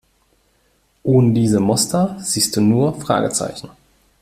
Ohne diese Muster siehst du nur Fragezeichen.